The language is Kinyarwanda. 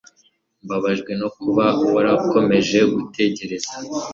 Mbabajwe no kuba warakomeje gutegereza.